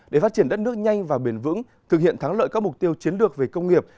để phát triển đất nước nhanh và bền vững thực hiện thắng lợi các mục tiêu chiến lược về công nghiệp